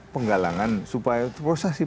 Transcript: penggalangan supaya prosesi